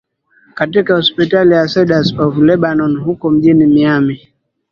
Katika hospitali ya Cedars of Lebanon huko mjini Miami